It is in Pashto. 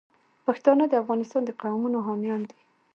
پښتانه د افغانستان د قومونو حامیان دي.